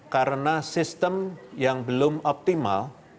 karena sistem yang belum optimal